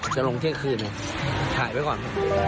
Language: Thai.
จะลงเที่ยงคืนถ่ายไว้ก่อน